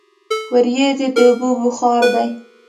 وریځې د اوبو بخار دي.